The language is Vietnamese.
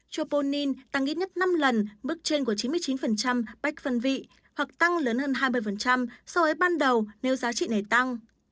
choponin tăng ít nhất năm lần mức trên của chín mươi chín bách phân vị hoặc tăng lớn hơn hai mươi so với ban đầu nếu giá trị này tăng